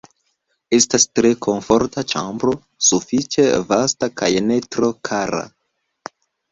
Estas tre komforta ĉambro, sufiĉe vasta kaj ne tro kara.